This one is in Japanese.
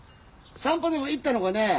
散歩でも行ったのかねえ。